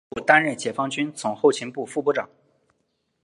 后担任解放军总后勤部副部长。